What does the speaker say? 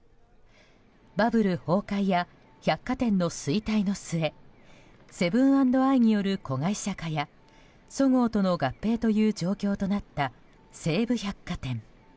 バブル崩壊や百貨店衰退の末セブン＆アイによる子会社化やそごうとの合併という状況となった、西武百貨店。